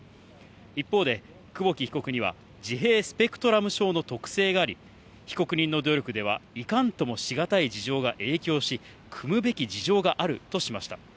一方で、久保木被告には自閉スペクトラム症の特性があり、被告人の努力ではいかんともしがたい事情が影響し、くむべき事情があるとしました。